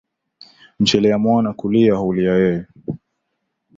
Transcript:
Mchelea mwana kulia hulia yeye